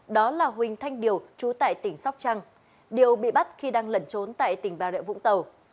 đó là huynh thanh điều trú tại tỉnh sóc trăng điều bị bắt khi đang lẩn trốn tại tỉnh bà rợ vũng tàu